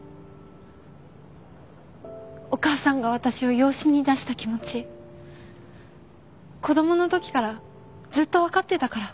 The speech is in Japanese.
お母さんが私を養子に出した気持ち子供の時からずっとわかってたから。